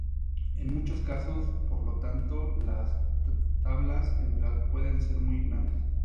En muchos casos, por lo tanto, las tablas de verdad pueden ser muy grandes.